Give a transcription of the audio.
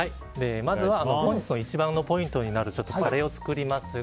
まずは本日の一番のポイントになるタレを作ります。